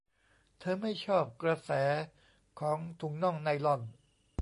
เธอไม่ชอบกระแสของถุงน่องไนลอน